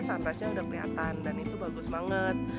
sunrisenya sudah kelihatan dan itu bagus banget